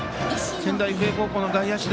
仙台育英高校の外野手